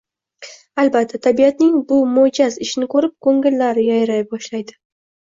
Albatta tabiatning bu mujaz ishini ko’rib ko‘ngillar yayray boshlaydi.